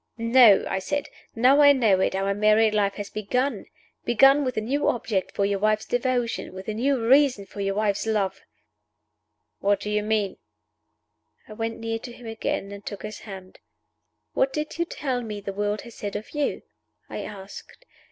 "No," I said. "Now I know it, our married life has begun begun with a new object for your wife's devotion, with a new reason for your wife's love!" "What do you mean?" I went near to him again, and took his hand. "What did you tell me the world has said of you?" I asked.